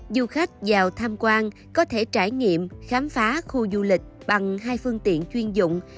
du khách vào tham quan có thể trải nghiệm khám phá khu du lịch bằng hai phương tiện chuyên dụng